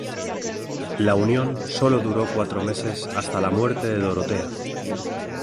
La unión solo duró cuatro meses hasta la muerte de Dorotea.